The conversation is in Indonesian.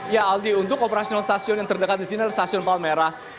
ya aldi untuk operasional stasiun yang terdekat di sini adalah stasiun palmerah